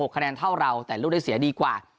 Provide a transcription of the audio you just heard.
คะแนนเท่าเราแต่ลูกได้เสียดีกว่า